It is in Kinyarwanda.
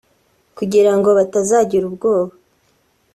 kugira ngo batazagira ubwoba